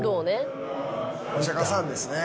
お釈迦さんですね。